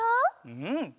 うん。